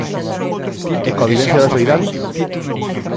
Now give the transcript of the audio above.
E coa vivencia da soidade?